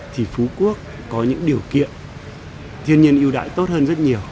thì phú quốc có những điều kiện thiên nhiên ưu đại tốt hơn rất nhiều